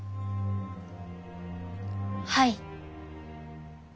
はい。